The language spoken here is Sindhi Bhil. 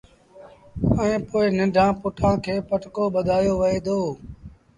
ائيٚݩ پو ننڍآݩ پُٽآݩ کي پٽڪو ٻڌآيو وهي دو